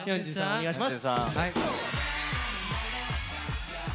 お願いします。